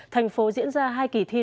thành phố diễn ra hai kỳ thi